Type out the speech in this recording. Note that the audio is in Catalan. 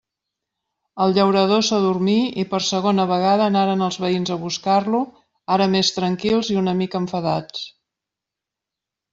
El llaurador s'adormí i per segona vegada anaren els veïns a buscar-lo, ara més tranquils i una mica enfadats.